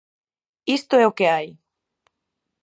Isto é o que hai!